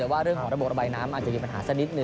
แต่ว่าเรื่องของระบบระบายน้ำอาจจะมีปัญหาสักนิดนึ